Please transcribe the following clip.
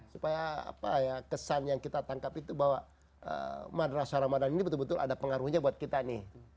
supaya kesan yang kita tangkap itu bahwa madrasah ramadan ini betul betul ada pengaruhnya buat kita nih